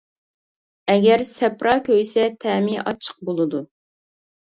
ئەگەر سەپرا كۆيسە، تەمى ئاچچىق بولىدۇ.